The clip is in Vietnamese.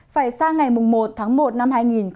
phải sang ngày một tháng một năm hai nghìn một mươi bảy